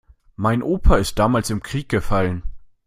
Mein Opa ist damals im Krieg gefallen.